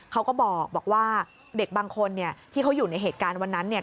เขาก็บอกว่าเด็กบางคนที่เขาอยู่ในเหตุการณ์วันนั้น